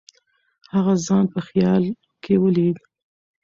هغه ځان په خیال کې ولید.